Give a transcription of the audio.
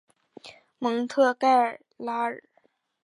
蒙特盖拉尔。